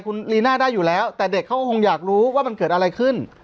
คุณลีน่าได้อยู่แล้วแต่เด็กเขาก็คงอยากรู้ว่ามันเกิดอะไรขึ้น